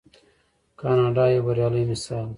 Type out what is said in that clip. کاناډا یو بریالی مثال دی.